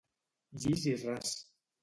Llis i ras.